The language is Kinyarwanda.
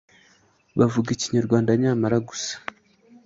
bavuga Ikinyarwanda nyamara gusa